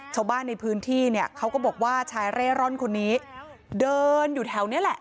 ชาวบ้านในพื้นที่เนี่ยเขาก็บอกว่าชายเร่ร่อนคนนี้เดินอยู่แถวนี้แหละ